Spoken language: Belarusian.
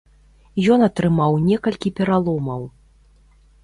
Ён атрымаў некалькі пераломаў.